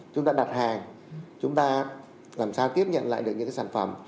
chúng ta đặt hàng chúng ta làm sao tiếp nhận lại được những sản phẩm